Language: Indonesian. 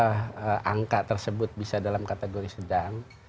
karena beberapa angka tersebut bisa dalam kategori sedang